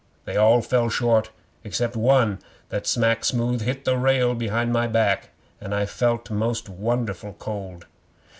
They all fell short except one that smack smooth hit the rail behind my back, an' I felt most won'erful cold.